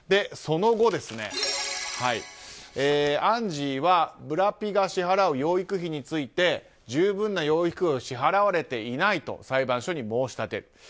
その後、アンジーはブラピが支払う養育費について十分な養育費を支払われていないと裁判所に申し立てる。